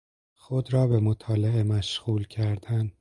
خود را به مطالعه مشغول کردن